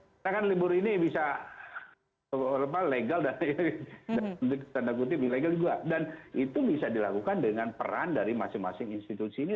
karena kan libur ini bisa legal dan itu bisa dilakukan dengan peran dari masing masing institusi ini